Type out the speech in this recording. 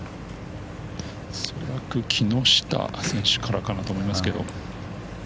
恐らく木下選手からかなと思いますけど。